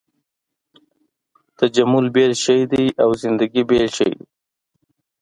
تجمل بېل شی دی او زندګي بېل شی دی.